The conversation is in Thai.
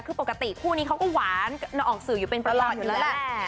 คือปกติคู่นี้เขาก็หวานหน่ออ่องสื่อเป็นประหล่อดอยู่แล้วแหละ